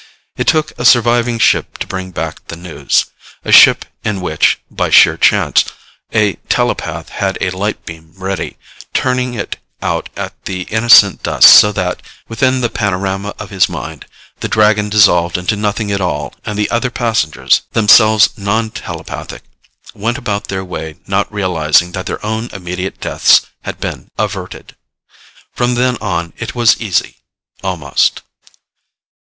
It took a surviving ship to bring back the news a ship in which, by sheer chance, a telepath had a light beam ready, turning it out at the innocent dust so that, within the panorama of his mind, the Dragon dissolved into nothing at all and the other passengers, themselves non telepathic, went about their way not realizing that their own immediate deaths had been averted. From then on, it was easy almost.